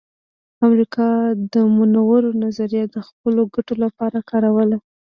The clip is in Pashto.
امریکا د مونرو نظریه د خپلو ګټو لپاره کاروله